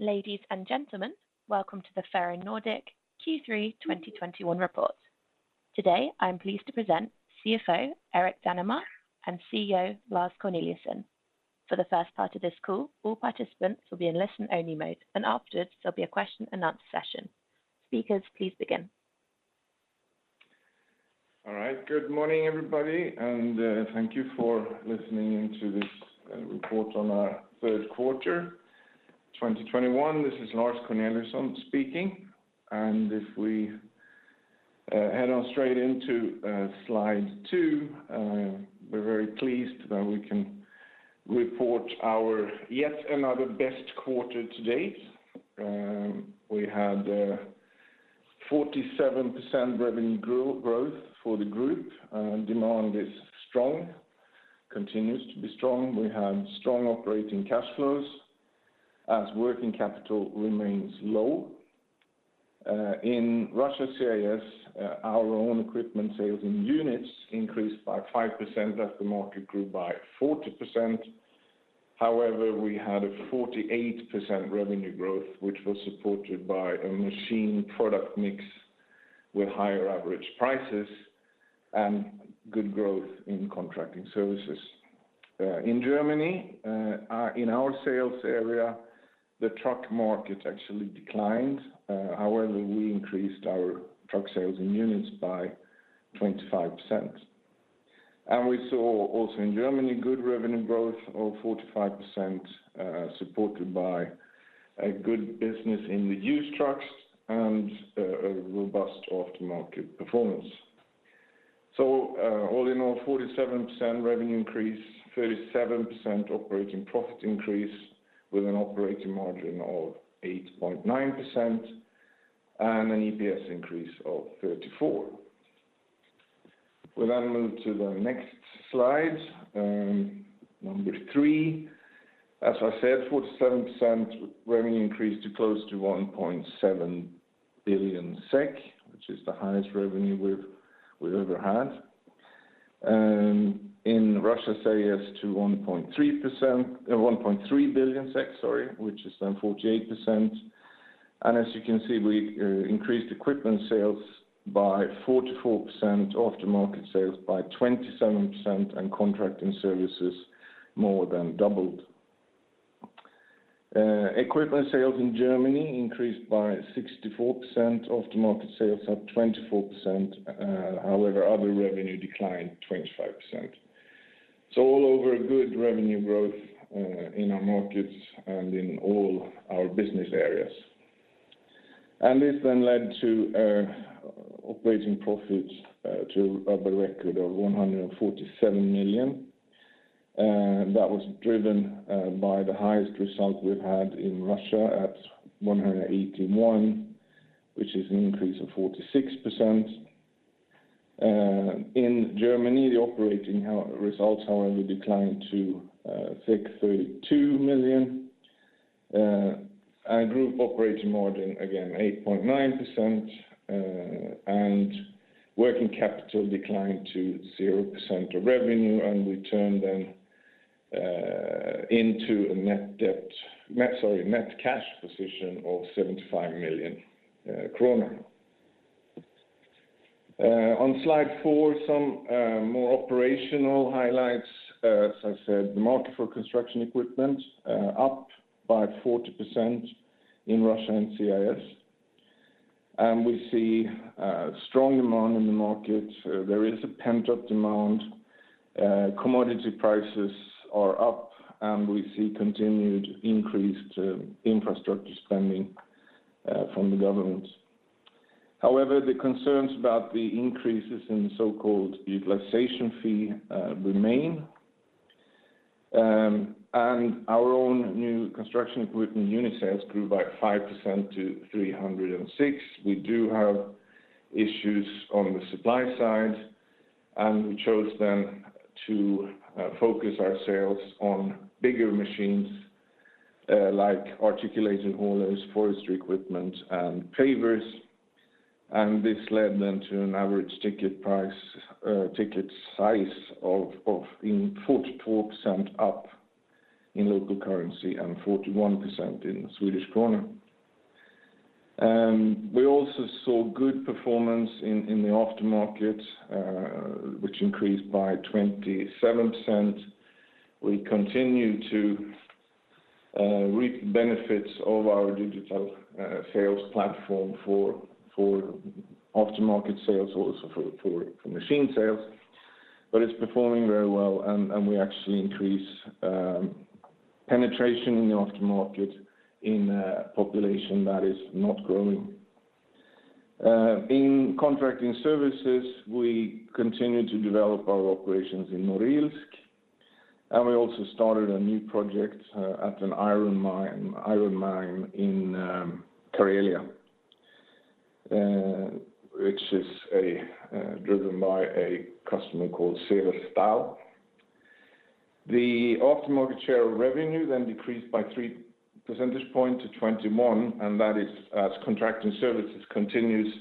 Ladies and gentlemen, welcome to the Ferronordic Q3 2021 report. Today, I'm pleased to present CFO Erik Danemar and CEO Lars Corneliusson. For the first part of this call, all participants will be in listen-only mode, and afterwards, there'll be a question and answer session. Speakers, please begin. All right. Good morning, everybody, and thank you for listening to this report on our third quarter, 2021. This is Lars Corneliusson speaking. If we head on straight into slide two, we're very pleased that we can report our yet another best quarter to date. We had 47% revenue growth for the group, and demand is strong, continues to be strong. We have strong operating cash flows as working capital remains low. In Russia CIS, our own equipment sales in units increased by 5% as the market grew by 40%. However, we had a 48% revenue growth, which was supported by a machine product mix with higher average prices and good growth in Contracting Services. In Germany, in our sales area, the truck market actually declined. However, we increased our truck sales in units by 25%. We saw also in Germany good revenue growth of 45%, supported by a good business in the used trucks and a robust aftermarket performance. All in all, 47% revenue increase, 37% operating profit increase with an operating margin of 8.9% and an EPS increase of 34%. We'll move to the next slide, number three. As I said, 47% revenue increase to close to 1.7 billion SEK, which is the highest revenue we've ever had. In Russia, CIS to 1.3 billion SEK, sorry, which is then 48%. As you can see, we increased equipment sales by 44%, aftermarket sales by 27%, and Contracting Services more than doubled. Equipment sales in Germany increased by 64%. Aftermarket sales up 24%. However, other revenue declined 25%. All over good revenue growth in our markets and in all our business areas. This then led to operating profits to a record of 147 million. That was driven by the highest result we've had in Russia at 181 million, which is an increase of 46%. In Germany, the operating results, however, declined to 63.2 million. Our group operating margin, again, 8.9%, and working capital declined to 0% of revenue, and we turned them into a net cash position of 75 million kronor. On slide four, some more operational highlights. As I said, the market for construction equipment up by 40% in Russia and CIS. We see strong demand in the market. There is a pent-up demand. Commodity prices are up, and we see continued increased infrastructure spending from the government. However, the concerns about the increases in so-called utilization fee remain. Our own new construction equipment unit sales grew by 5% to 306. We do have issues on the supply side, and we chose then to focus our sales on bigger machines like articulated haulers, forestry equipment, and pavers. This led then to an average ticket size of 44% up in local currency and 41% in Swedish krona. We also saw good performance in the aftermarket, which increased by 27%. We continue to reap benefits of our digital sales platform for aftermarket sales, also for machine sales. It's performing very well, and we actually increase penetration in the aftermarket in a population that is not growing. In Contracting Services, we continue to develop our operations in Norilsk, and we also started a new project at an iron mine in Karelia, which is driven by a customer called Severstal. The aftermarket share of revenue then decreased by 3 percentage points to 21, and that is as Contracting Services continues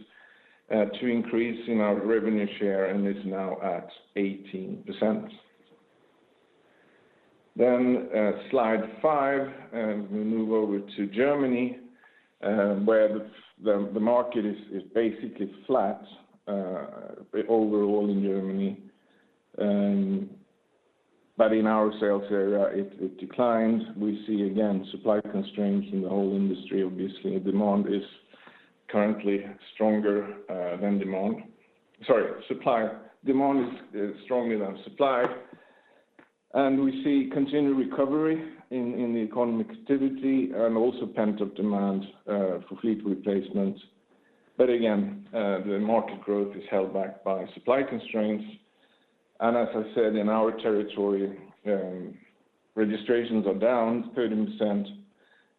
to increase in our revenue share and is now at 18%. Slide five. We move over to Germany, where the market is basically flat overall in Germany. In our sales area, it declined. We see again supply constraints in the whole industry. Obviously, demand is currently stronger than supply. We see continued recovery in the economic activity and also pent-up demand for fleet replacement. Again, the market growth is held back by supply constraints. As I said, in our territory, registrations are down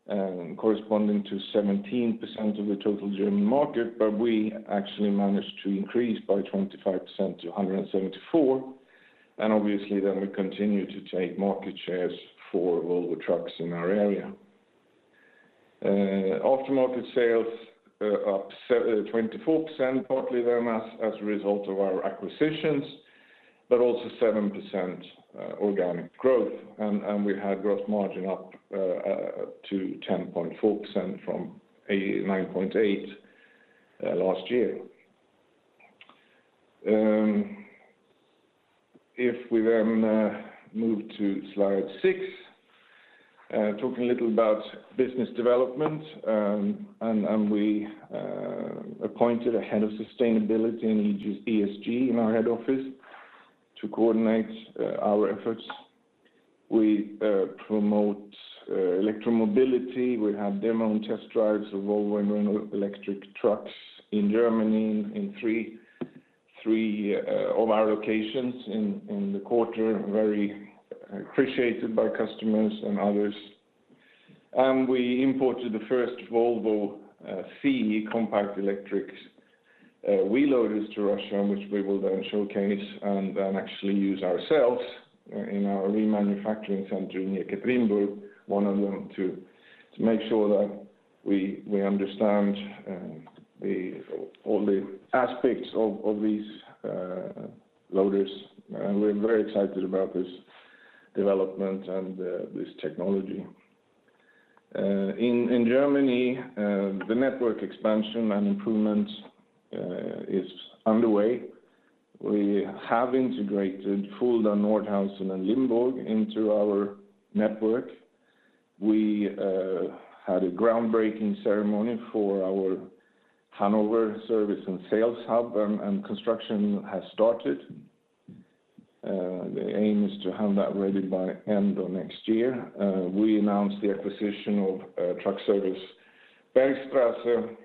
13%, corresponding to 17% of the total German market, but we actually managed to increase by 25% to 174. Obviously, we continue to take market shares for Volvo Trucks in our area. Aftermarket sales are up 24%, partly as a result of our acquisitions, but also 7% organic growth. We had gross margin up to 10.4% from 9.8% last year. If we then move to slide six, talking a little about business development, we appointed a Head of Sustainability and ESG in our head office to coordinate our efforts. We promote electromobility. We have demo and test drives of Volvo and Renault electric trucks in Germany in three of our locations in the quarter, very appreciated by customers and others. We imported the first Volvo CE compact electric wheel loaders to Russia, which we will then showcase and then actually use ourselves in our remanufacturing center near Yekaterinburg, one of them to make sure that we understand all the aspects of these loaders. We're very excited about this development and this technology. In Germany, the network expansion and improvement is underway. We have integrated Fulda, Nordhausen, and Limburg into our network. We had a groundbreaking ceremony for our Hannover service and sales hub, and construction has started. The aim is to have that ready by end of next year. We announced the acquisition of Truckservice Bergstraße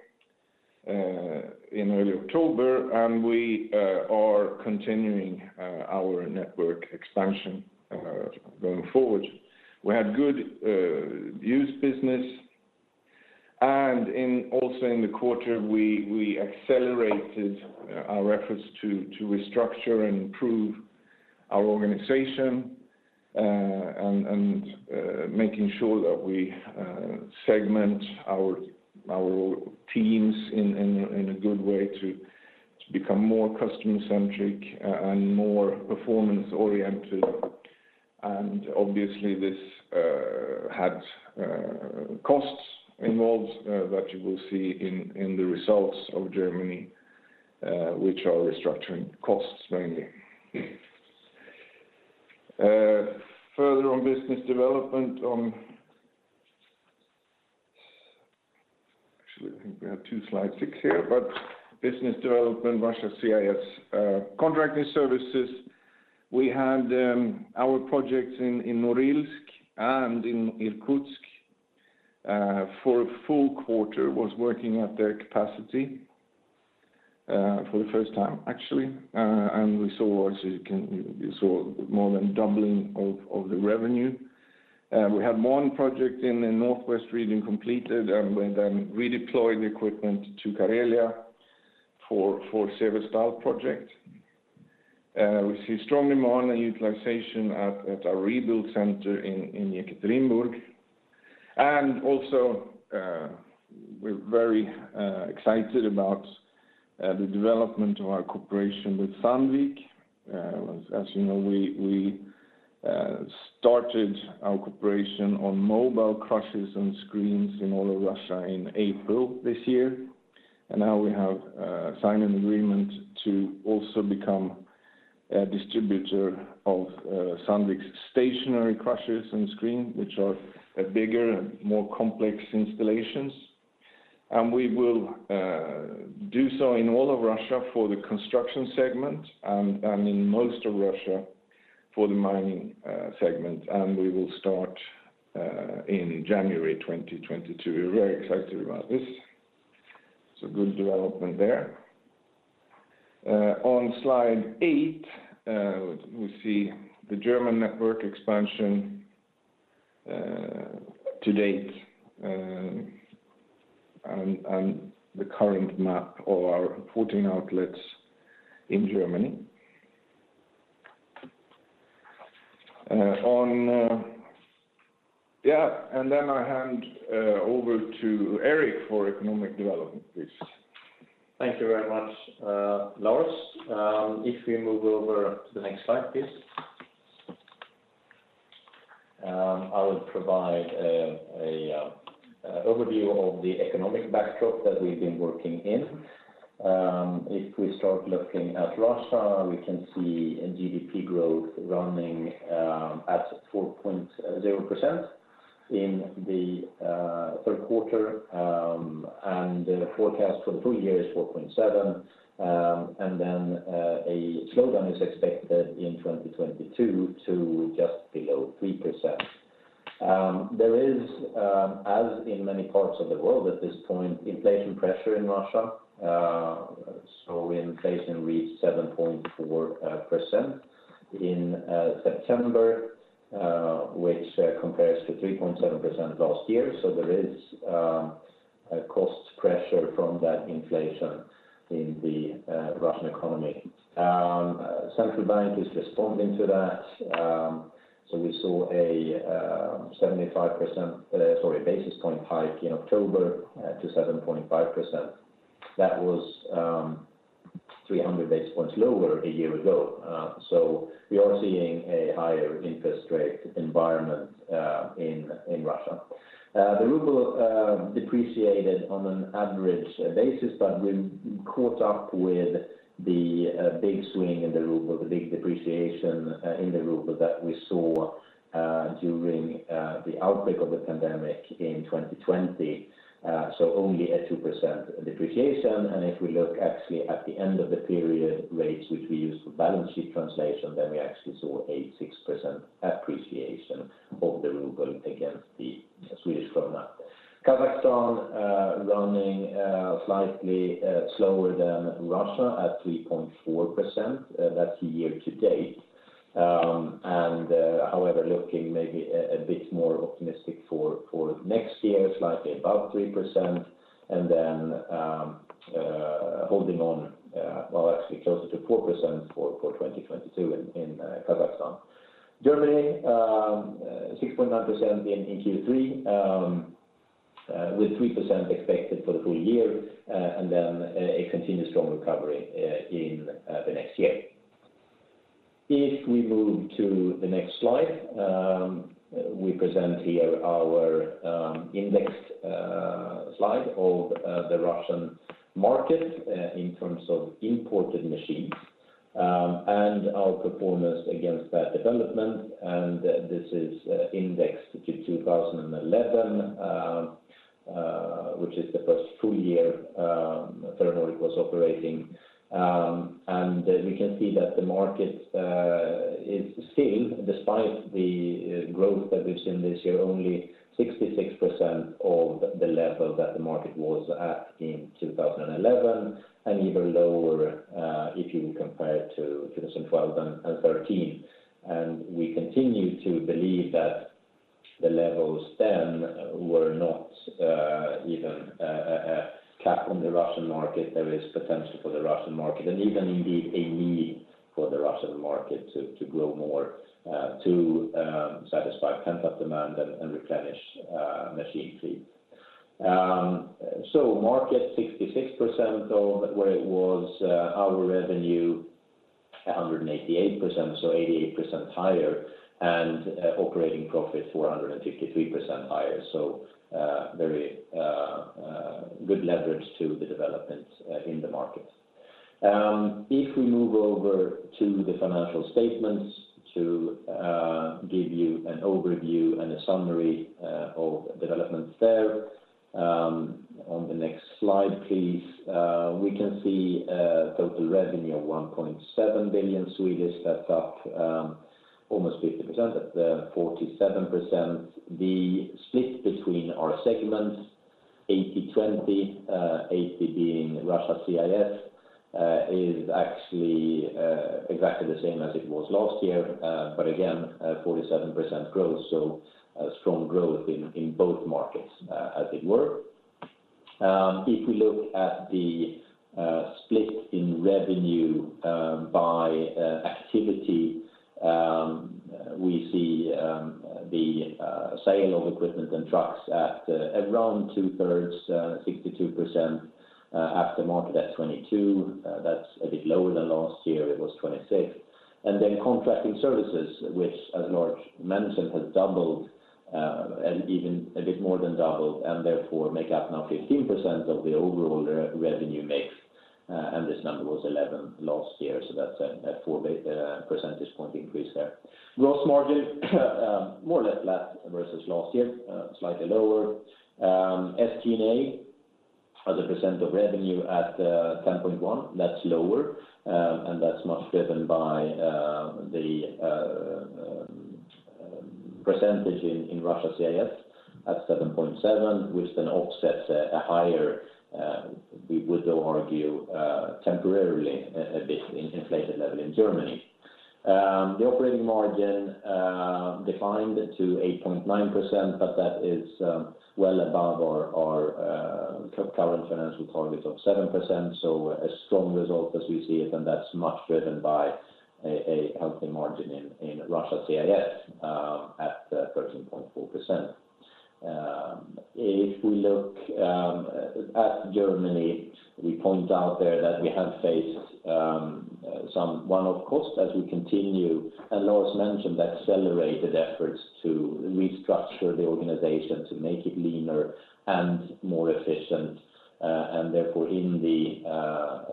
in early October, and we are continuing our network expansion going forward. We had good used business. Also in the quarter, we accelerated our efforts to restructure and improve our organization, and making sure that we segment our teams in a good way to become more customer-centric and more performance-oriented. Obviously, this had costs involved that you will see in the results of Germany, which are restructuring costs mainly. Further on business development. Actually, I think we have two slide six here, but business development Russia/CIS. Contracting Services, we had our projects in Norilsk and in Irkutsk for a full quarter was working at their capacity for the first time actually. We saw more than doubling of the revenue. We had one project in the northwest region completed and we then redeployed the equipment to Karelia for Severstal project. We see strong demand and utilization at our rebuild center in Yekaterinburg. We're very excited about the development of our cooperation with Sandvik. As you know, we started our cooperation on mobile crushers and screens in all of Russia in April this year. Now we have signed an agreement to also become a distributor of Sandvik's stationary crushers and screens, which are bigger and more complex installations. We will do so in all of Russia for the construction segment and in most of Russia for the mining segment. We will start in January 2022. We're very excited about this. Good development there. On slide eight, we see the German network expansion to date and the current map of our 14 outlets in Germany. I hand over to Erik for economic development, please. Thank you very much, Lars. If we move over to the next slide, please. I will provide a overview of the economic backdrop that we've been working in. If we start looking at Russia, we can see a GDP growth running at 4.0% in the third quarter, and the forecast for the full year is 4.7, and then a slowdown is expected in 2022 to just below 3%. There is, as in many parts of the world at this point, inflation pressure in Russia. Inflation reached 7.4% in September, which compares to 3.7% last year. There is a cost pressure from that inflation in the Russian economy. Central bank is responding to that. We saw a 75 basis points hike in October to 7.5%. That was 300 basis points lower a year ago. We are seeing a higher interest rate environment in Russia. The ruble depreciated on an average basis, but we caught up with the big swing in the ruble, the big depreciation in the ruble that we saw during the outbreak of the pandemic in 2020. Only a 2% depreciation. If we look actually at the end of the period rates, which we use for balance sheet translation, then we actually saw a 6% appreciation of the ruble against the Swedish krona. Kazakhstan running slightly slower than Russia at 3.4%. That's year to date. However, looking maybe a bit more optimistic for next year, slightly above 3%. Then holding on, well, actually closer to 4% for 2022 in Kazakhstan. Germany, 6.9% in Q3, with 3% expected for the full year, and then a continued strong recovery in the next year. If we move to the next slide, we present here our indexed slide of the Russian market in terms of imported machines and our performance against that development. This is indexed to 2011, which is the first full year Ferronordic was operating. We can see that the market is still, despite the growth that we've seen this year, only 66% of the level that the market was at in 2011, and even lower if you compare it to 2012 and 2013. We continue to believe that the levels then were not even a cap on the Russian market. There is potential for the Russian market, and even indeed a need for the Russian market to grow more, to satisfy pent-up demand and replenish machine fleet. Market 66% of where it was, our revenue 188%, so 88% higher, and operating profit 453% higher. Very good leverage to the development in the market. If we move over to the financial statements to give you an overview and a summary of developments there, on the next slide, please. We can see total revenue of 1.7 billion. That's up almost 50% at 47%. The split between our segments, 80/20, 80 being Russia/CIS, is actually exactly the same as it was last year. Again, 47% growth, so a strong growth in both markets, as it were. If we look at the split in revenue by activity, we see the sale of equipment and trucks at around 2/3, 62%, aftermarket at 22%. That's a bit lower than last year. It was 26%. Contracting Services, which as Lars mentioned, has doubled and even a bit more than doubled, and therefore make up now 15% of the overall revenue mix. This number was 11% last year, so that's a 4 percentage points increase there. Gross margin more or less flat versus last year, slightly lower. SG&A as a percent of revenue at 10.1%. That's lower, and that's much driven by the percentage in Russia/CIS at 7.7%, which then offsets a higher, we would though argue temporarily, a bit in inflation level in Germany. The operating margin declined to 8.9%, but that is well above our current financial target of 7%. A strong result as we see it, and that's much driven by a healthy margin in Russia/CIS at 13.4%. If we look at Germany, we point out there that we have faced some one-off costs as we continue, as Lars mentioned, accelerated efforts to restructure the organization to make it leaner and more efficient. Therefore, in the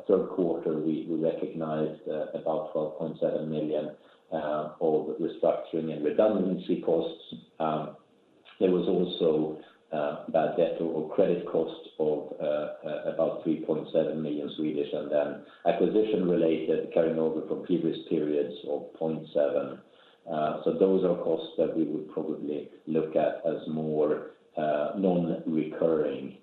third quarter, we recognized about 12.7 million of restructuring and redundancy costs. There was also bad debt or credit costs of about 3.7 million. Then acquisition related carrying over from previous periods of 0.7 million. Those are costs that we would probably look at as more non-recurring.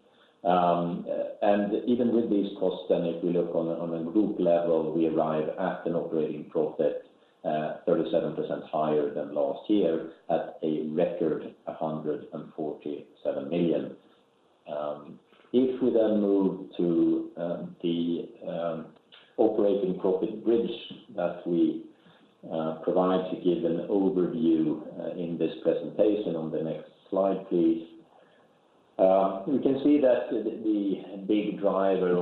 Even with these costs then if we look on a group level, we arrive at an operating profit 37% higher than last year at a record 147 million. If we then move to the operating profit bridge that we provide to give an overview in this presentation on the next slide, please. We can see that the big driver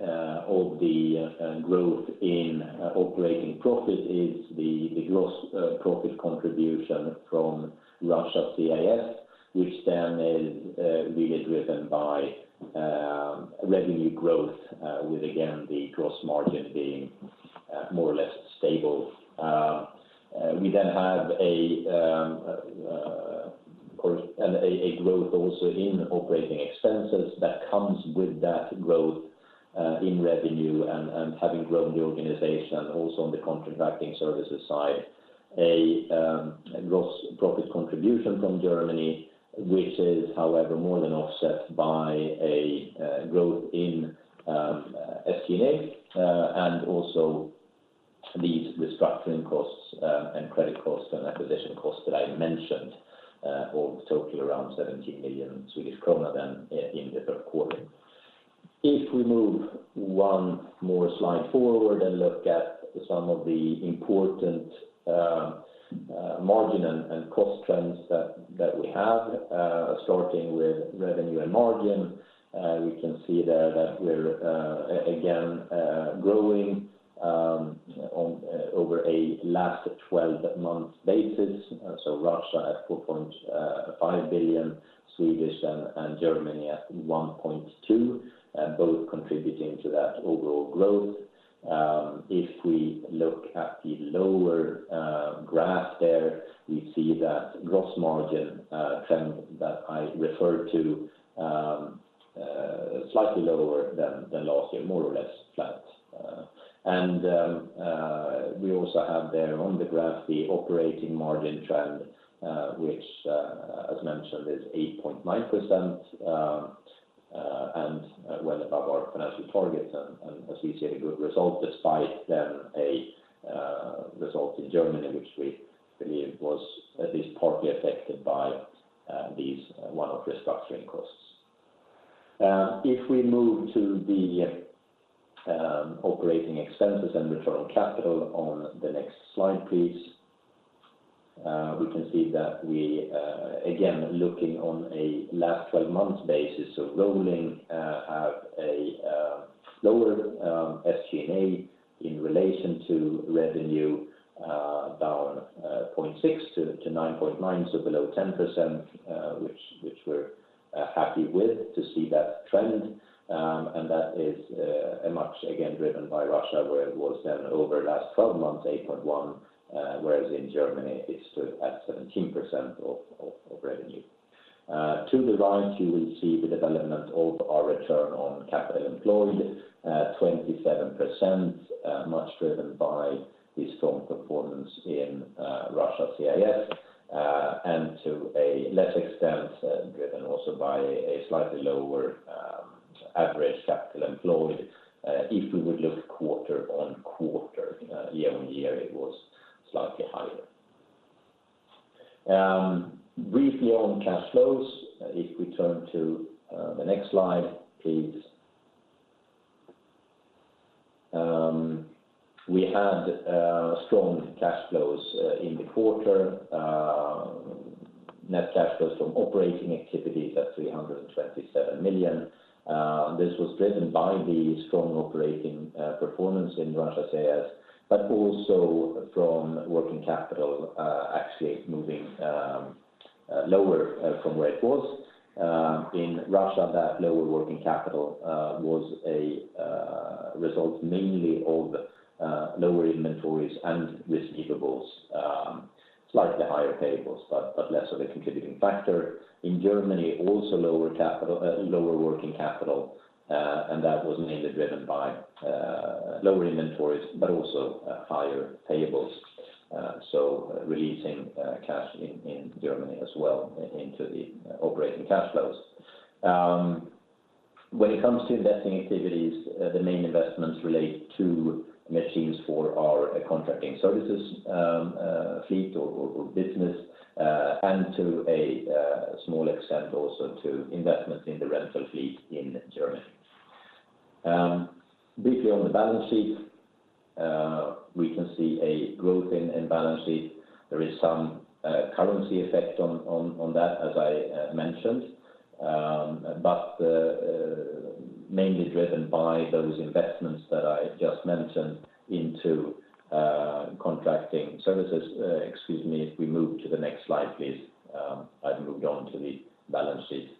of the growth in operating profit is the gross profit contribution from Russia CIS, which then is really driven by revenue growth with again, the gross margin being more or less stable. We have a growth also in operating expenses that comes with that growth in revenue and having grown the organization also on the Contracting Services side. A gross profit contribution from Germany, which is however more than offset by a growth in SG&A and also these restructuring costs and credit costs and acquisition costs that I mentioned, all total around 17 million Swedish krona in the third quarter. If we move one more slide forward and look at some of the important margin and cost trends that we have, starting with revenue and margin, we can see there that we're again growing on over a last 12 months basis. Russia at 4.5 billion and Germany at 1.2 billion, both contributing to that overall growth. If we look at the lower graph there, we see that gross margin trend that I referred to, slightly lower than last year, more or less flat. We also have there on the graph the operating margin trend, which as mentioned is 8.9%, and well above our financial targets and as we see a good result despite a result in Germany, which we believe was at least partly affected by these one-off restructuring costs. If we move to the operating expenses and return on capital on the next slide, please. We can see that again, looking on a rolling last twelve months basis, we have a lower SG&A in relation to revenue down 9.6%-9.9%, so below 10%, which we're happy to see that trend. That is much again driven by Russia, where it was then over the last twelve months 8.1%, whereas in Germany it stood at 17% of revenue. To the right, you will see the development of our Return on Capital Employed at 27%, much driven by the strong performance in Russia CIS, and to a lesser extent driven also by a slightly lower average capital employed, if we would look quarter-on-quarter year-on-year, it was slightly higher. Briefly on cash flows, if we turn to the next slide, please. We had strong cash flows in the quarter. Net cash flows from operating activities at 327 million. This was driven by the strong operating performance in Russia CIS, but also from working capital actually moving lower from where it was. In Russia, that lower working capital was a result mainly of lower inventories and receivables, slightly higher payables, but less of a contributing factor. In Germany, also lower working capital, and that was mainly driven by lower inventories, but also higher payables, so releasing cash in Germany as well into the operating cash flows. When it comes to investing activities, the main investments relate to machines for our Contracting Services, fleet or business, and to a small extent also to investment in the rental fleet in Germany. Briefly on the balance sheet, we can see a growth in the balance sheet. There is some currency effect on that as I mentioned. Mainly driven by those investments that I just mentioned into Contracting Services. Excuse me, if we move to the next slide, please. I've moved on to the balance sheet.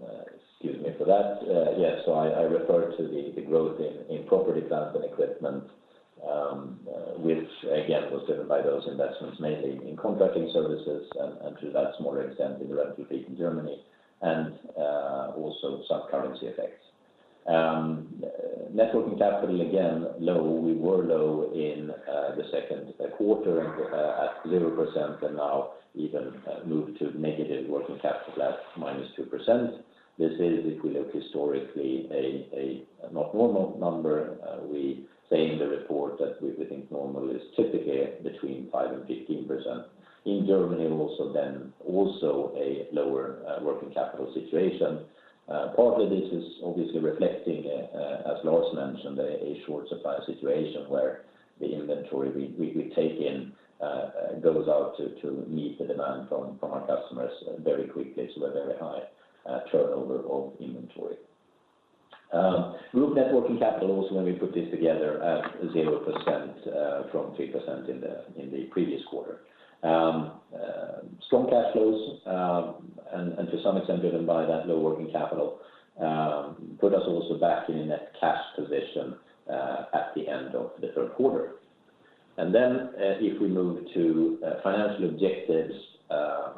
Excuse me for that. Yes, I referred to the growth in property, plant and equipment, which again was driven by those investments mainly in Contracting Services and to that smaller extent in the rental fleet in Germany. And uh also some currency effects. Um net working capital again low; we were low in the second quarter and at 0%, and now even moving to negative working capital last -2%. They say look historically a, a not normal number. We say in the report that we think normal is typically between 5% and 15%. In Germany also then also a lower working capital situation. Uh, partly, this is obviously reflecting a, as Lars mentioned, a, a short supply situation where the inventory we, we, we take in, uh, goes out to, to meet the demand from, from our customers very quickly to a very high, um, turnover of inventory. Move that one to the previous one. Let me put this together. Um, 0% from 2% in the, in the previous quarter. Um, strong cash flows, um, and, and to some extent driven by that low working capital, um, put us also back in a net cash position at the end of the third quarter. And then, uh, if we move to, uh, financial objectives, uh, uh,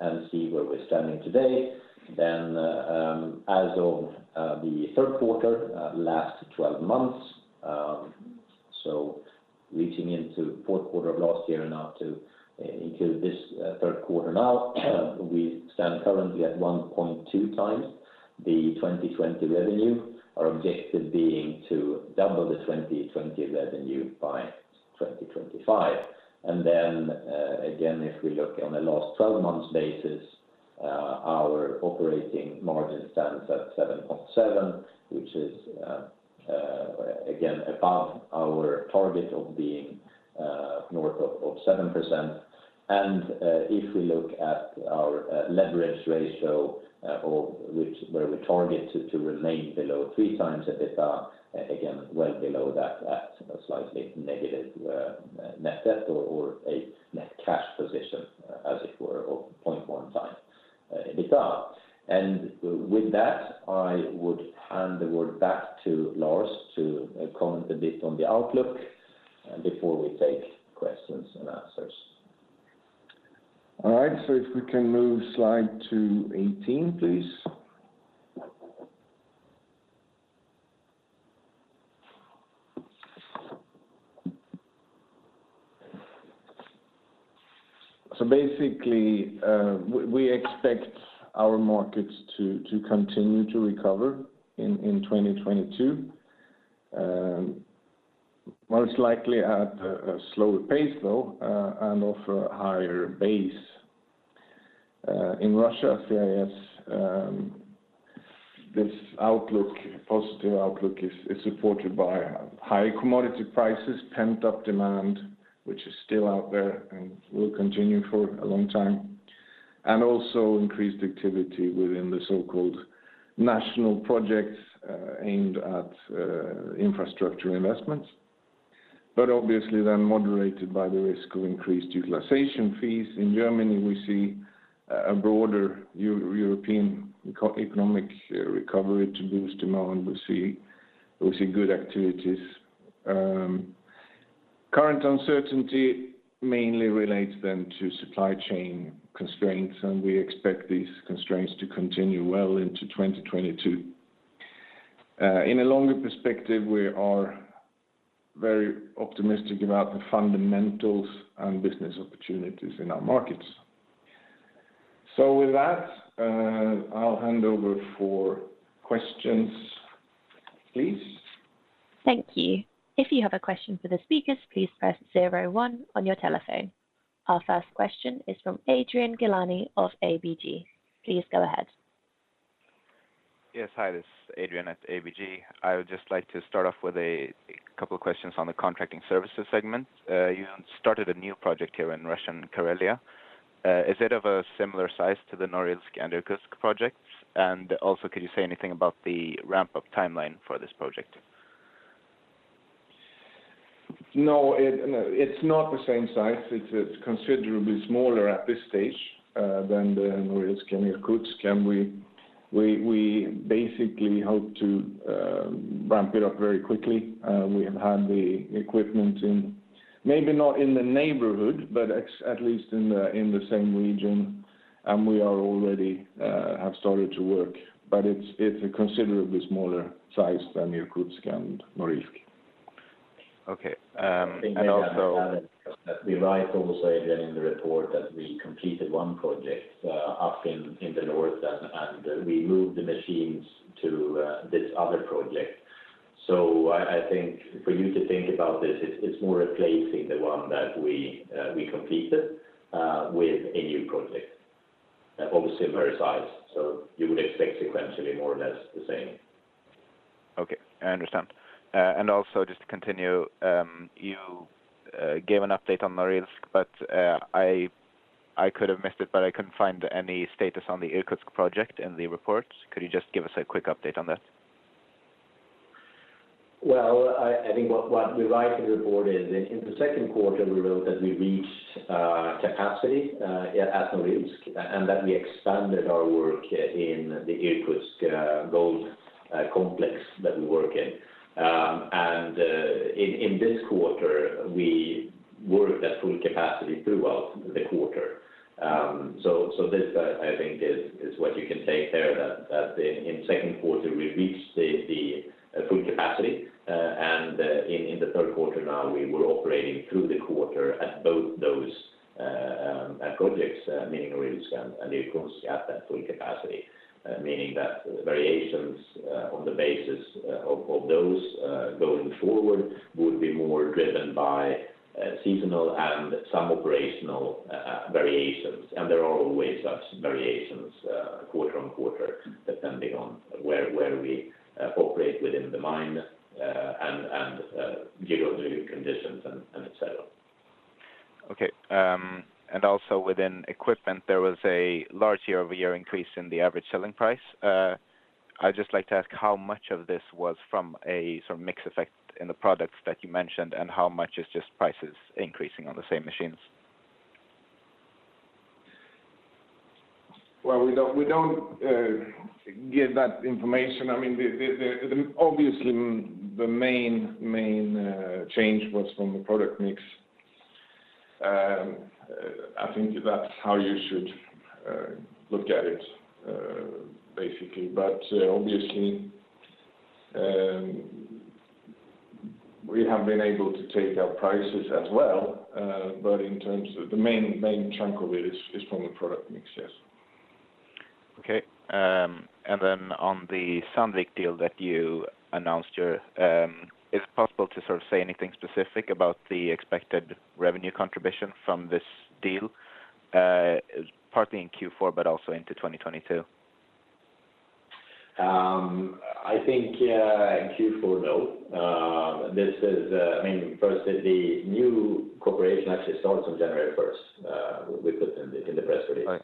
and see where we're standing today, then, um, as of, uh, the third quarter, uh, last 12 months, um, so, reaching into fourth quarter of last year and out to, uh, into this, uh, third quarter now, um, we stand currently at 1.2x the 2020 revenue. Our objective being to double the 2020 revenue by 2025. And then, uh, again, if we look on a last 12 months basis, uh, our operating margin stands at 7%, which is, um, uh, again, above our target of being, uh, north of, of 7%. And, uh, if we look at our, uh, leverage ratio, uh, of which where we target to, to remain below 3x for the quarter, again, way below that at a slightly negative, uh, net debt or, or a net cash position, as it were, of 0.15, uh, in the quarter. And with that, I would hand the word back to Lars to comment a bit on the outlook, and before we take questions and answers. All right. If we can move to slide 18, please. Basically, we expect our markets to continue to recover in 2022. Most likely at a slower pace though, and off a higher base. In Russia, there is this positive outlook supported by high commodity prices, pent-up demand, which is still out there and will continue for a long time, and also increased activity within the so-called National Projects aimed at infrastructure investments, but obviously then moderated by the risk of increased utilization fees. In Germany, we see a broader European economic recovery to boost demand. We see good activities. Current uncertainty mainly relates then to supply chain constraints, and we expect these constraints to continue well into 2022. In a longer perspective, we are very optimistic about the fundamentals and business opportunities in our markets. With that, I'll hand over for questions, please. Thank you. If you have a question for the speakers, please press zero one on your telephone. Our first question is from Adrian Gilani of ABG Sundal Collier. Please go ahead. Yes. Hi, this is Adrian at ABG. I would just like to start off with a couple of questions on the Contracting Services segment. You started a new project here in Russian Karelia. Is it of a similar size to the Norilsk and Irkutsk projects? Also, could you say anything about the ramp-up timeline for this project? No. It's not the same size. It's considerably smaller at this stage than Norilsk and Irkutsk. We basically hope to ramp it up very quickly. We have had the equipment in, maybe not in the neighborhood, but at least in the same region, and we have already started to work. It's a considerably smaller size than Irkutsk and Norilsk. Okay. We also write, Adrian, in the report that we completed one project up in the north and we moved the machines to this other project. I think for you to think about this, it's more replacing the one that we completed with a new project. Obviously of varying size, so you would expect sequentially more or less the same. Okay. I understand. Also just to continue, you gave an update on Norilsk, but I could have missed it, but I couldn't find any status on the Irkutsk project in the report. Could you just give us a quick update on that? Well, I think what we write in the report is in the second quarter, we wrote that we reached capacity at Norilsk and that we expanded our work in the Irkutsk gold complex that we work in. In this quarter, we worked at full capacity throughout the quarter. This I think is what you can take there, that in second quarter we reached the full capacity. In the third quarter now, we were operating through the quarter at both those projects, meaning Norilsk and Irkutsk at that full capacity. Meaning that variations on the basis of those going forward would be more driven by seasonal and some operational variations. There are always such variations, quarter-on-quarter, depending on where we operate within the mine, and geo conditions and et cetera. Okay. Also within equipment, there was a large year-over-year increase in the average selling price. I'd just like to ask how much of this was from a sort of mix effect in the products that you mentioned, and how much is just prices increasing on the same machines? Well, we don't give that information. I mean, obviously the main change was from the product mix. I think that's how you should look at it, basically. Obviously, we have been able to take our prices as well, but in terms of the main chunk of it is from the product mix, yes. On the Sandvik deal that you announced, is it possible to sort of say anything specific about the expected revenue contribution from this deal, partly in Q4 but also into 2022? This is, I mean, first, the new corporation actually starts on January 1st, we put in the press release. Right.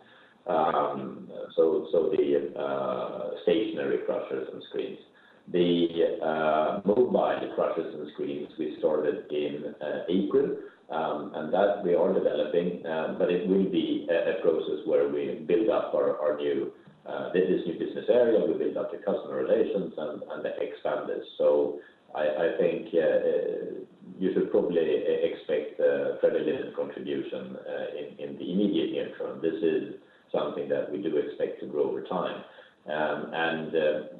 The stationary crushers and screens. The mobile crushers and screens we started in April that we are developing, but it will be a process where we build up our new business area, we build up the customer relations and expand it. I think you should probably expect very little contribution in the immediate near term. This is something that we do expect to grow over time.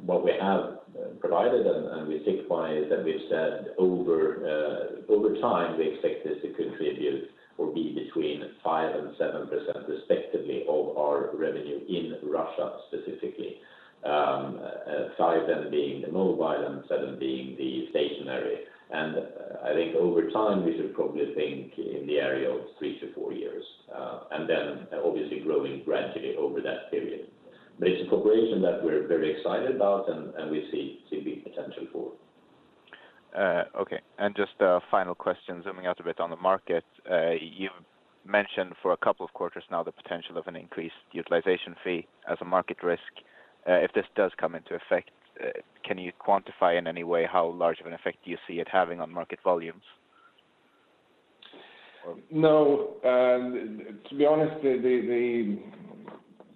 What we have provided and we stick by is that we've said over time, we expect this to contribute or be between 5% and 7% respectively of our revenue in Russia, specifically. Five then being the mobile and seven being the stationary. I think over time, we should probably think in the area of three to four years, and then obviously growing gradually over that period. It's a corporation that we're very excited about and we see big potential for. Okay. Just a final question, zooming out a bit on the market. You've mentioned for a couple of quarters now the potential of an increased utilization fee as a market risk. If this does come into effect, can you quantify in any way how large of an effect you see it having on market volumes? No. To be honest,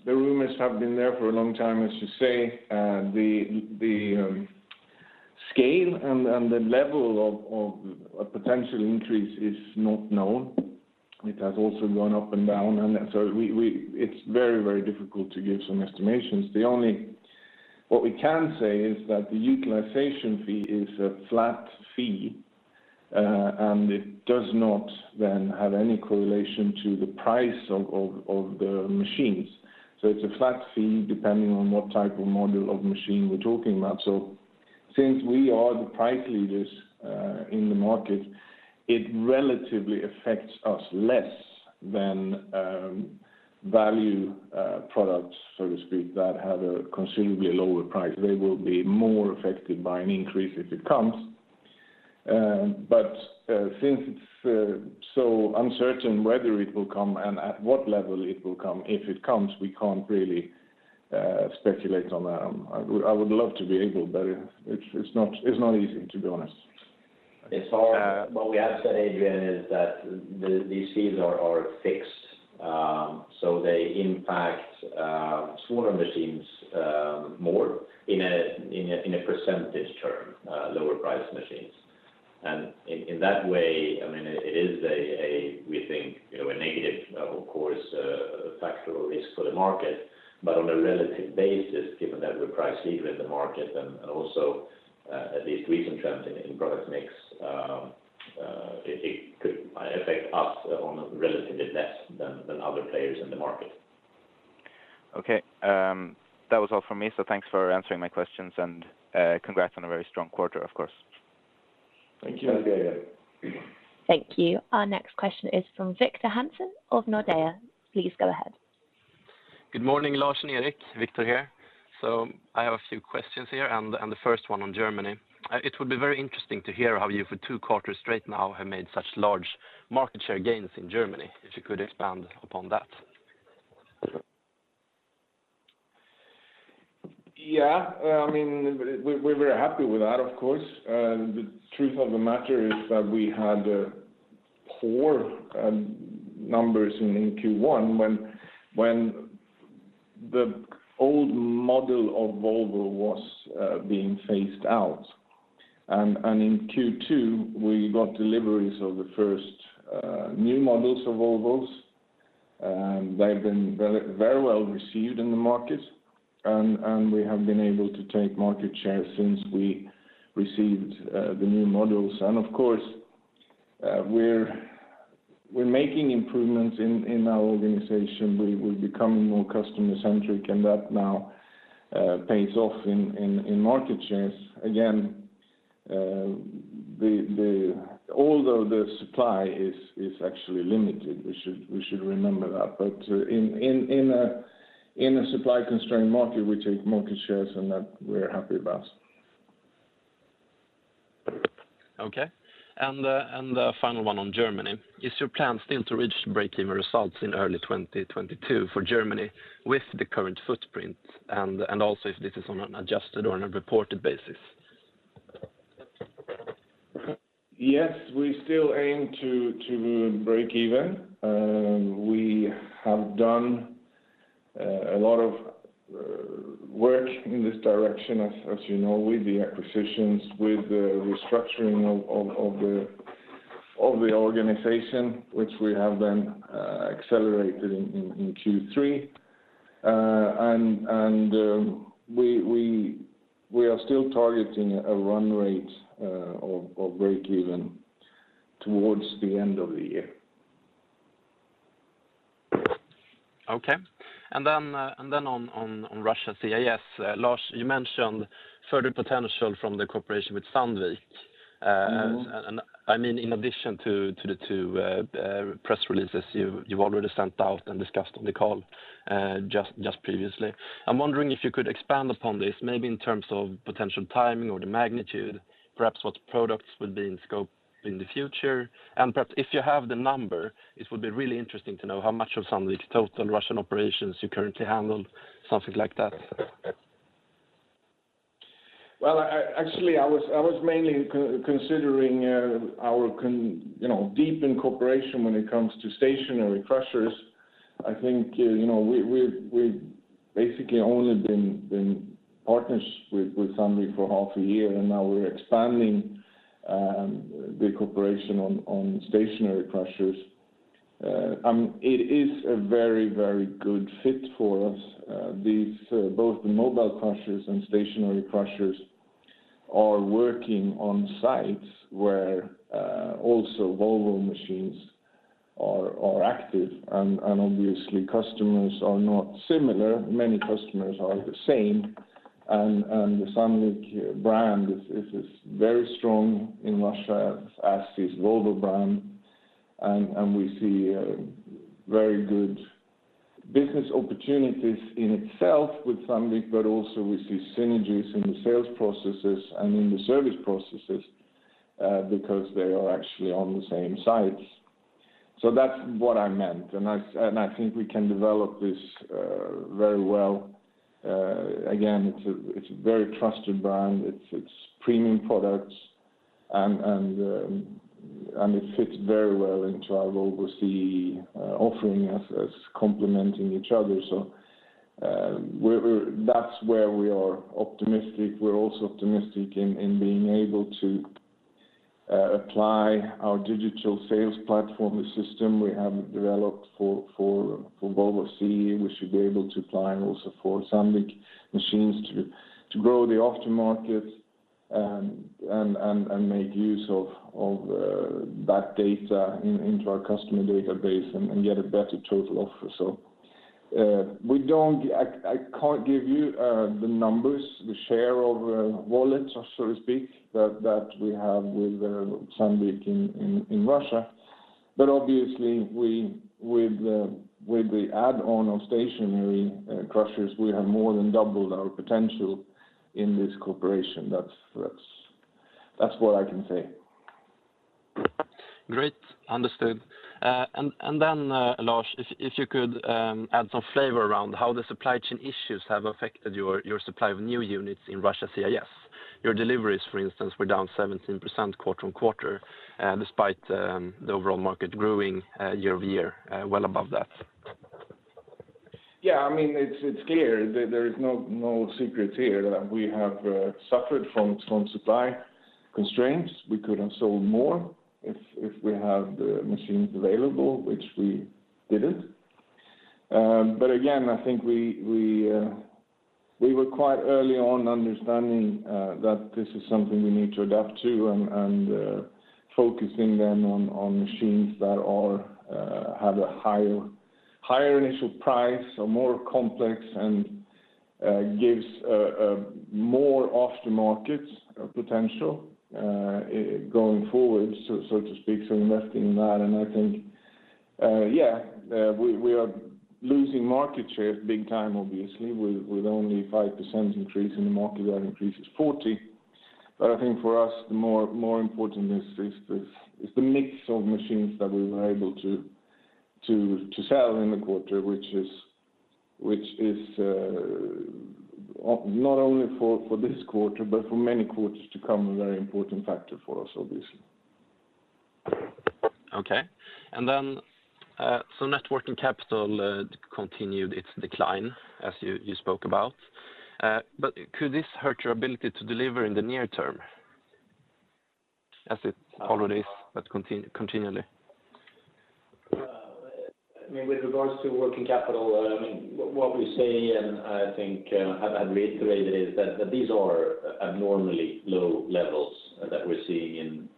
the rumors have been there for a long time, as you say. The scale and the level of a potential increase is not known. It has also gone up and down. It's very difficult to give some estimations. What we can say is that the utilization fee is a flat fee, and it does not then have any correlation to the price of the machines. It's a flat fee depending on what type of model of machine we're talking about. Since we are the price leaders in the market, it relatively affects us less than value products, so to speak, that have a considerably lower price. They will be more affected by an increase if it comes. Since it's so uncertain whether it will come and at what level it will come, if it comes, we can't really speculate on that. I would love to be able, but it's not easy, to be honest. What we have said, Adrian, is that these fees are fixed. So they impact smaller machines more in a percentage term, lower priced machines. In that way, I mean, it is, we think, you know, a negative, of course, actual risk for the market. On a relative basis, given that we're price leader in the market and also at least recent trends in product mix, it could affect us relatively less than other players in the market. Okay. That was all for me. Thanks for answering my questions and congrats on a very strong quarter, of course. Thank you. Thank you. Our next question is from Victor Hansen of Nordea. Please go ahead. Good morning, Lars and Erik. Victor here. I have a few questions here and the first one on Germany. It would be very interesting to hear how you for two quarters straight now have made such large market share gains in Germany, if you could expand upon that. Yeah. I mean, we're very happy with that, of course. The truth of the matter is that we had poor numbers in Q1 when the old model of Volvo was being phased out. In Q2, we got deliveries of the first new models of Volvos. They've been very well received in the market and we have been able to take market share since we received the new models. Of course, we're making improvements in our organization. We're becoming more customer-centric, and that now pays off in market shares. Again, although the supply is actually limited, we should remember that. But in a supply-constrained market, we take market shares, and that we're happy about. Okay. The final one on Germany. Is your plan still to reach the break-even results in early 2022 for Germany with the current footprint? Also if this is on an adjusted or on a reported basis. Yes, we still aim to break-even. We have done a lot of work in this direction, as you know, with the acquisitions, with the restructuring of the organization, which we have accelerated in Q3. We are still targeting a run rate of break-even towards the end of the year. On Russia CIS, Lars, you mentioned further potential from the cooperation with Sandvik. Mm-hmm. I mean, in addition to the two press releases you've already sent out and discussed on the call just previously. I'm wondering if you could expand upon this, maybe in terms of potential timing or the magnitude, perhaps what products will be in scope in the future. Perhaps if you have the number, it would be really interesting to know how much of Sandvik's total Russian operations you currently handle, something like that. Well, actually, I was mainly considering, you know, our deepened cooperation when it comes to stationary crushers. I think, you know, we've basically only been partners with Sandvik for half a year, and now we're expanding the cooperation on stationary crushers. It is a very good fit for us. These both the mobile crushers and stationary crushers are working on sites where also Volvo machines are active and obviously customers are similar. Many customers are the same. The Sandvik brand is very strong in Russia, as is Volvo brand. We see very good business opportunities in itself with Sandvik, but also we see synergies in the sales processes and in the service processes because they are actually on the same sites. That's what I meant. I think we can develop this very well. Again, it's a very trusted brand. It's premium products. It fits very well into our Volvo CE offering as complementing each other. That's where we are optimistic. We're also optimistic in being able to apply our digital sales platform, the system we have developed for Volvo CE. We should be able to apply also for Sandvik machines to grow the aftermarket and make use of that data into our customer database and get a better total offer. We don't I can't give you the numbers, the share of wallet, or so to speak, that we have with Sandvik in Russia. Obviously, we with the add-on of stationary crushers have more than doubled our potential in this cooperation. That's what I can say. Great. Understood. Lars, if you could add some flavor around how the supply chain issues have affected your supply of new units in Russia CIS. Your deliveries, for instance, were down 17% quarter-over-quarter, despite the overall market growing year-over-year well above that. Yeah, I mean, it's clear. There is no secret here. We have suffered from supply constraints. We could have sold more if we had the machines available, which we didn't. But again, I think we were quite early on understanding that this is something we need to adapt to and focusing then on machines that have a higher initial price or more complex, and gives more aftermarket potential going forward so to speak, so investing in that. I think, yeah, we are losing market share big time obviously with only 5% increase in the market that increases 40%. I think for us, the more important is the mix of machines that we were able to sell in the quarter, which is not only for this quarter, but for many quarters to come, a very important factor for us, obviously. Okay. Net working capital continued its decline as you spoke about. Could this hurt your ability to deliver in the near term as it always, but continually? I mean, with regards to working capital, I mean, what we say and I think have reiterated is that these are abnormally low levels that we're seeing in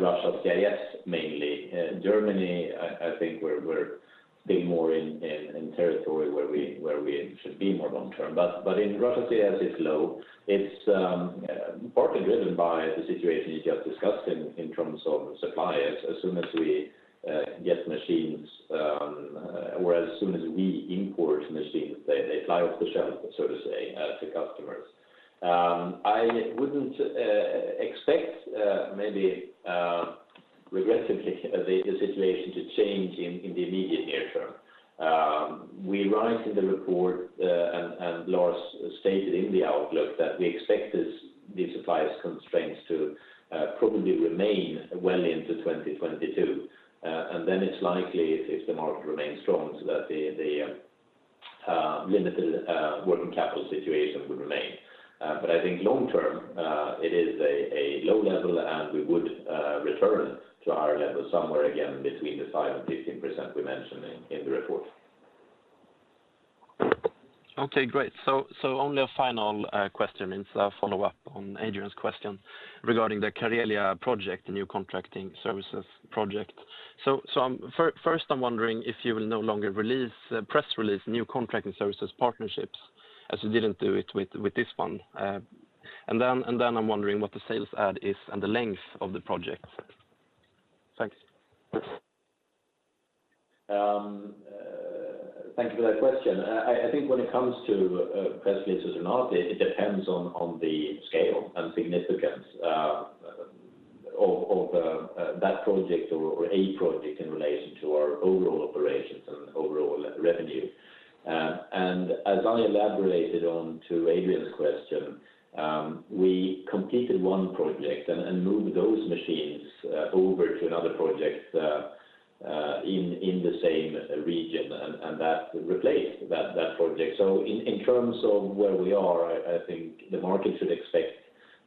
Russia CIS, mainly. Germany, I think we're being more in territory where we should be more long term. In Russia CIS is low. It's partly driven by the situation you just discussed in terms of suppliers. As soon as we get machines or as soon as we import machines, they fly off the shelf, so to say, to customers. I wouldn't expect, maybe regrettably the situation to change in the immediate near term. We write in the report, and Lars stated in the outlook that we expect these supply constraints to probably remain well into 2022. It's likely if the market remains strong, so that the limited working capital situation would remain. I think long term, it is a low level, and we would return to a higher level somewhere again between 5% and 15% we mentioned in the report. Okay, great. Only a final question. It's a follow-up on Adrian's question regarding the Karelia project, the new Contracting Services project. First, I'm wondering if you will no longer release press releases on new Contracting Services partnerships as you didn't do it with this one. And then I'm wondering what the sales add is and the length of the project. Thanks. Thank you for that question. I think when it comes to press releases or not, it depends on the scale and significance of that project or a project in relation to our overall operations and overall revenue. As I elaborated on to Adrian's question, we completed one project and moved those machines over to another project in the same region, and that replaced that project. In terms of where we are, I think the market should expect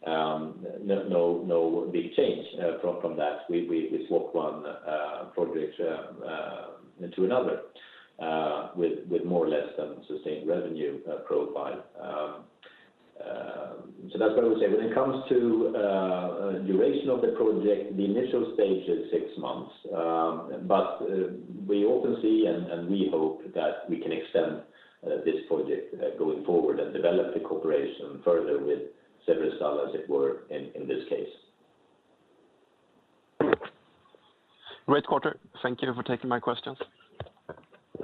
no big change from that. We swapped one project into another with more or less a sustained revenue profile. That's what I would say. When it comes to duration of the project, the initial stage is six months. We often see and we hope that we can extend this project going forward and develop the cooperation further with Severstal, as it were in this case. Great quarter. Thank you for taking my questions.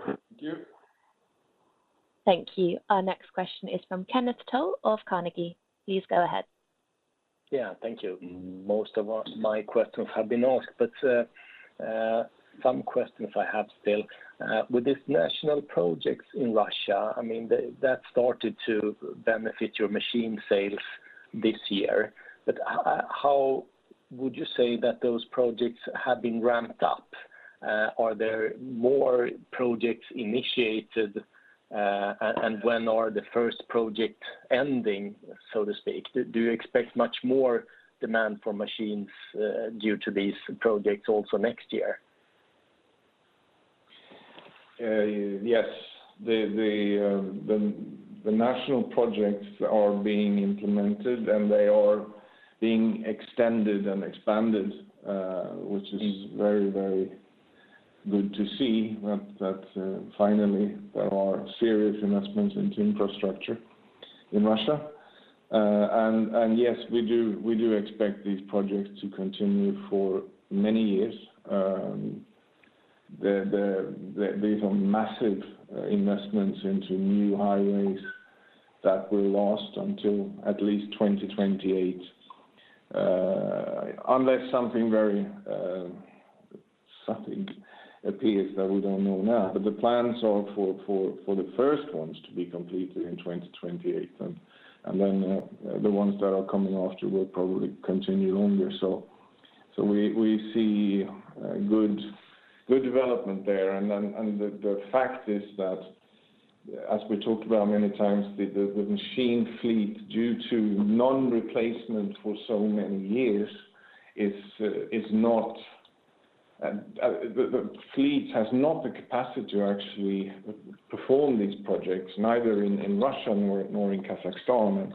Thank you. Thank you. Our next question is from Kenneth Toll of Carnegie. Please go ahead. Yeah, thank you. Most of us—my questions have been asked, but some questions I have still. With this National Projects in Russia, I mean, that started to benefit your machine sales this year, but how would you say that those projects have been ramped up? Are there more projects initiated, and when are the first project ending, so to speak? Do you expect much more demand for machines due to these projects also next year? Yes. The National Projects are being implemented, and they are being extended and expanded, which is very good to see that finally there are serious investments into infrastructure in Russia. Yes, we do expect these projects to continue for many years. These are massive investments into new highways that will last until at least 2028, unless something appears that we don't know now. The plans are for the first ones to be completed in 2028, and then the ones that are coming after will probably continue longer. We see good development there. The fact is that as we talked about many times, the machine fleet due to non-replacement for so many years is not. The fleet has not the capacity to actually perform these projects, neither in Russia nor in Kazakhstan.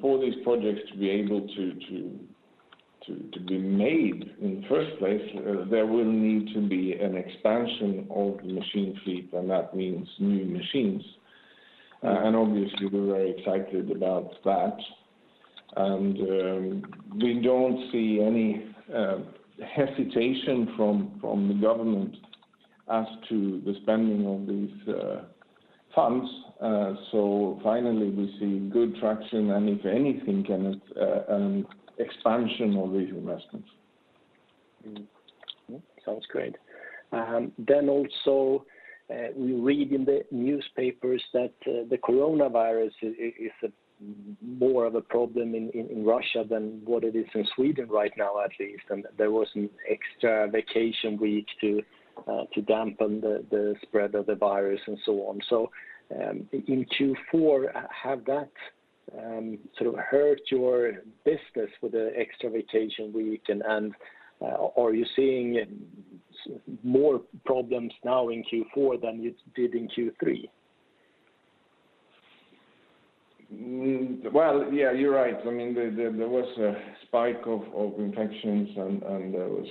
For these projects to be able to be made in the first place, there will need to be an expansion of the machine fleet, and that means new machines. Obviously we're very excited about that. We don't see any hesitation from the government as to the spending of these funds. Finally we see good traction, and if anything, Kenneth, an expansion of these investments. Sounds great. Then also, we read in the newspapers that the coronavirus is a more of a problem in Russia than what it is in Sweden right now, at least. There was an extra vacation week to dampen the spread of the virus and so on. In Q4, have that sort of hurt your business with the extra vacation week and are you seeing more problems now in Q4 than you did in Q3? Well, yeah, you're right. I mean, there was a spike of infections and there was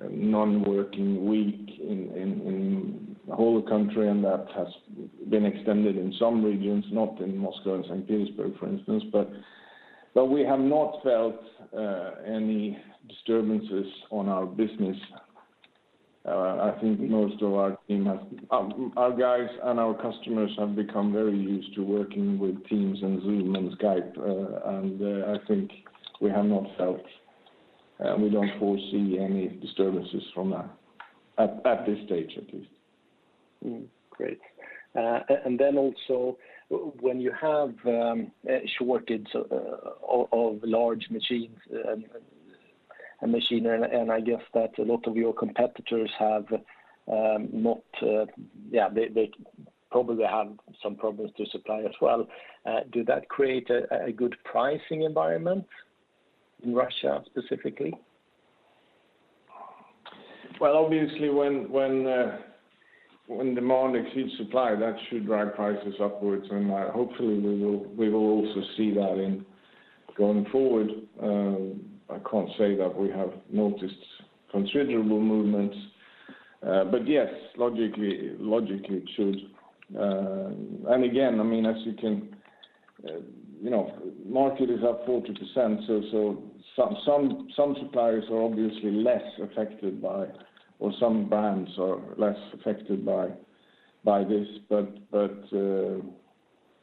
a non-working week in the whole country, and that has been extended in some regions, not in Moscow and St. Petersburg, for instance. We have not felt any disturbances on our business. I think our guys and our customers have become very used to working with Teams and Zoom and Skype, and I think we have not felt, and we don't foresee any disturbances from that at this stage at least. Great. Then also when you have a shortage of large machines and machinery, and I guess that a lot of your competitors probably have some problems to supply as well, did that create a good pricing environment in Russia specifically? Well, obviously when demand exceeds supply, that should drive prices upwards, and hopefully we will also see that going forward. I can't say that we have noticed considerable movements. But yes, logically it should. And again, I mean, as you can you know, market is up 40%, so some suppliers are obviously less affected by, or some brands are less affected by this.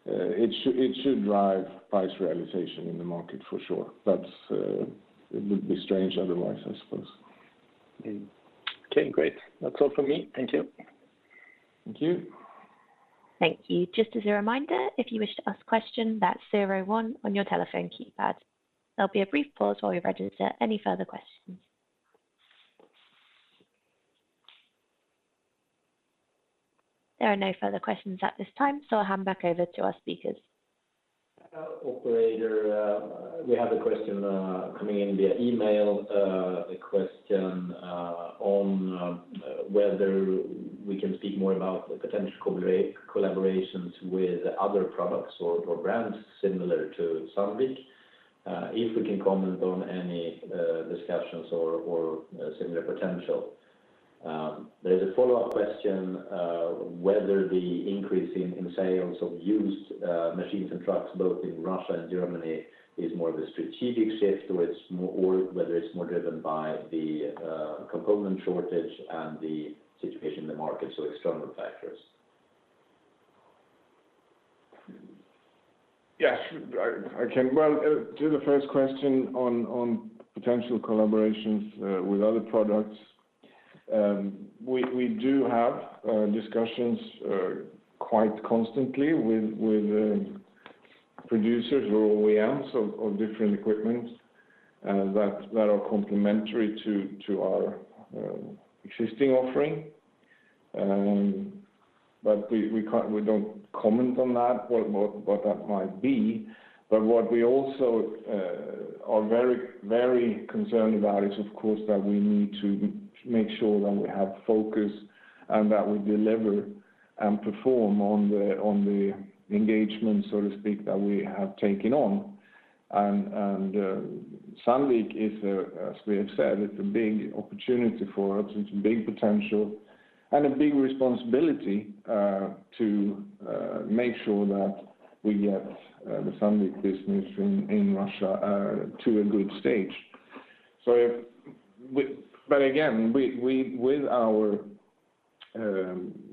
It should drive price realization in the market for sure. It would be strange otherwise, I suppose. Okay, great. That's all from me. Thank you. Thank you. Thank you. Just as a reminder, if you wish to ask a question, that's zero one on your telephone keypad. There'll be a brief pause while we register any further questions. There are no further questions at this time, so I'll hand back over to our speakers. Operator, we have a question coming in via email. A question on whether we can speak more about the potential collaborations with other products or brands similar to Sandvik, if we can comment on any discussions or similar potential. There is a follow-up question whether the increase in sales of used machines and trucks both in Russia and Germany is more of a strategic shift, or whether it's more driven by the component shortage and the situation in the market, so external factors. Well, to the first question on potential collaborations with other products, we do have discussions quite constantly with producers or OEMs of different equipment that are complementary to our existing offering. We don't comment on that, what that might be. What we also are very concerned about is of course that we need to make sure that we have focus and that we deliver and perform on the engagement, so to speak, that we have taken on. Sandvik is, as we have said, a big opportunity for us. It's a big potential and a big responsibility to make sure that we get the Sandvik business in Russia to a good stage. Again, we, with our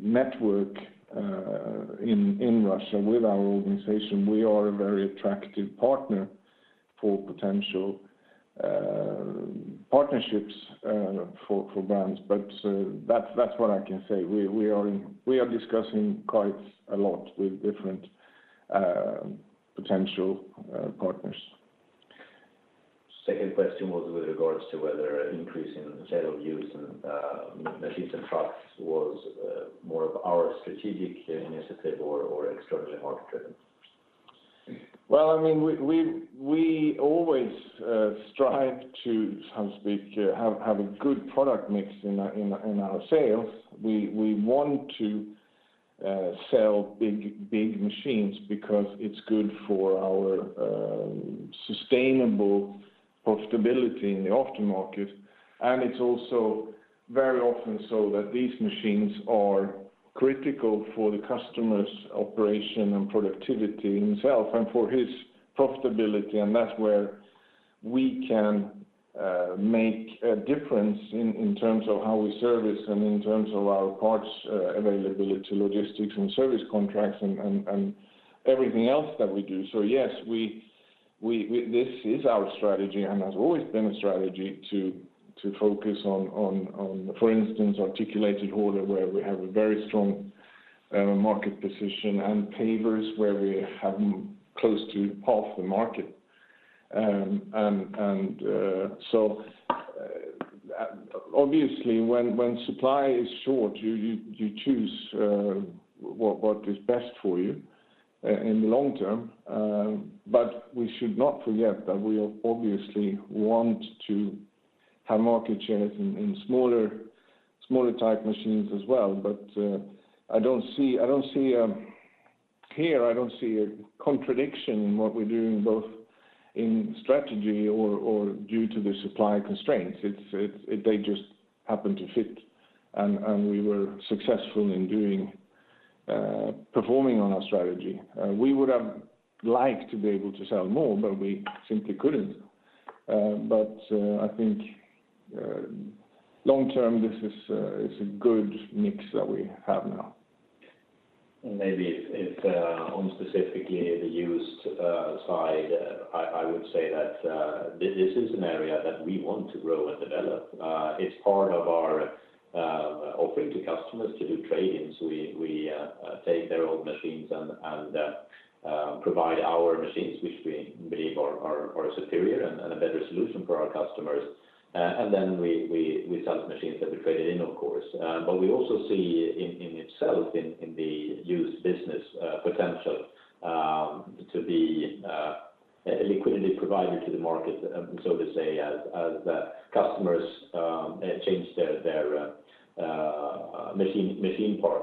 network in Russia, with our organization, we are a very attractive partner for potential partnerships for brands. That's what I can say. We are discussing quite a lot with different potential partners. Second question was with regards to whether increase in sale of used machines and trucks was more of our strategic initiative or externally market-driven. Well, I mean, we always strive to, so to speak, have a good product mix in our sales. We want to sell big machines because it's good for our sustainable profitability in the aftermarket. It's also very often so that these machines are critical for the customer's operation and productivity himself and for his profitability. That's where we can make a difference in terms of how we service and in terms of our parts availability, logistics, and service contracts and everything else that we do. Yes, we, this is our strategy and has always been a strategy to focus on, for instance, articulated hauler, where we have a very strong market position, and pavers, where we have close to half the market. Obviously, when supply is short, you choose what is best for you in the long term. We should not forget that we obviously want to have market shares in smaller type machines as well. I don't see here a contradiction in what we're doing, both in strategy or due to the supply constraints. They just happen to fit, and we were successful in performing on our strategy. We would have liked to be able to sell more, but we simply couldn't. I think long term, this is a good mix that we have now. Maybe if on specifically the used side, I would say that this is an area that we want to grow and develop. It's part of our offering to customers to do trade-ins. We take their old machines and provide our machines, which we believe are superior and a better solution for our customers. We sell the machines that we traded in, of course. We also see in itself in the used business potential to be a liquidity provider to the market, so to say, as customers change their machine park.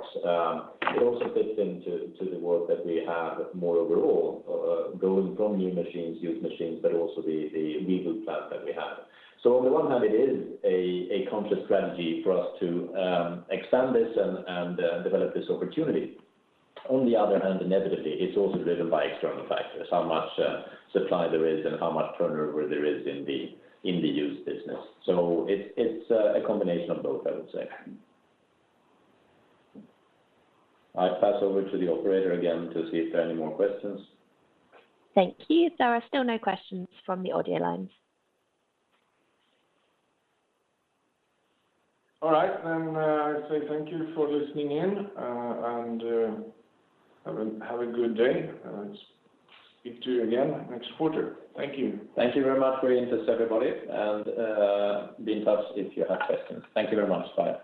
It also fits into the work that we have more overall, going from new machines, used machines, but also the rental plan that we have. On the one hand, it is a conscious strategy for us to expand this and develop this opportunity. On the other hand, inevitably, it's also driven by external factors, how much supply there is and how much turnover there is in the used business. It's a combination of both, I would say. I pass over to the operator again to see if there are any more questions. Thank you. There are still no questions from the audio lines. All right. I say thank you for listening in, and have a good day, and speak to you again next quarter. Thank you. Thank you very much for your interest, everybody, and be in touch if you have questions. Thank you very much. Bye.